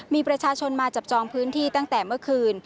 มีประชาชนมาจับจองพื้นที่ตั้งแต่เมื่อคืน